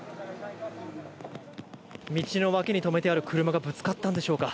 道の脇に止めてある車がぶつかったんでしょうか。